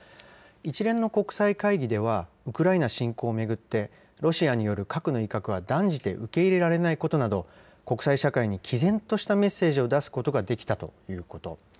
一連の国際会議では、ウクライナ侵攻を巡って、ロシアによる核の威嚇は断じて受け入れられないことなど、国際社会にきぜんとしたメッセージを出すことができたということ。